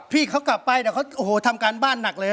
พี่เขากลับไปแต่เขาทำการต้าบ้านหนักเลย